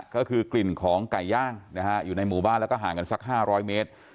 ก็คือกลิ่นของไก่ย่างนะฮะอยู่ในหมู่บ้านแล้วก็ห่างกันสัก๕๐๐เมตร